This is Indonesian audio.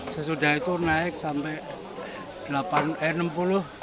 sesudah itu naik sampai enam puluh